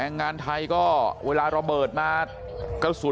พวกมันกลับมาเมื่อเวลาที่สุดพวกมันกลับมาเมื่อเวลาที่สุด